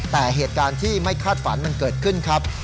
แต่เหตุการณ์ที่ไม่คาดฝันมันเกิดขึ้นครับ